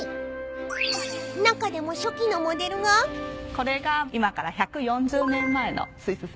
これが今から１４０年前のスイス製です。